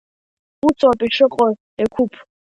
Усоуп ишыҟоу, Еқәыԥ.